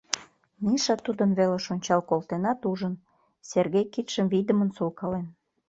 Миша тудын велыш ончал колтенат, ужын: Сергей кидшым вийдымын солкален.